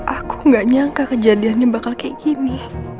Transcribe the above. aku gak nyangka kejadiannya bakal kayak gini